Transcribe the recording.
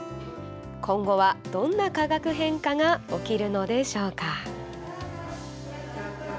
今後は、どんな化学変化が起きるのでしょうか。